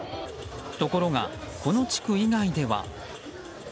ところが、この地区以外では。